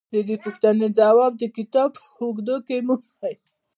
د دې پوښتنې ځواب د کتاب په اوږدو کې مومئ.